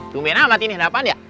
gimana amat ini dapet gak